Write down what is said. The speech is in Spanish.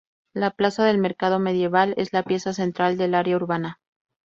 La plaza del mercado medieval es la pieza central del área urbana.